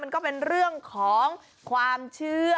ก็เป็นเรื่องของความเชื่อ